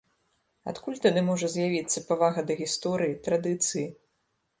Адкуль тады можа з'явіцца павага да гісторыі, традыцыі?